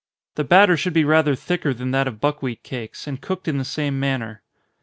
The batter should be rather thicker than that of buckwheat cakes, and cooked in the same manner.